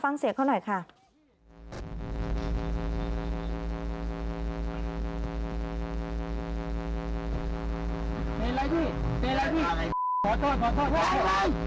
ฟังเสียงเขาหน่อยค่ะน่าสงสัยน่าสงสัย